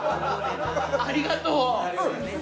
ありがとう。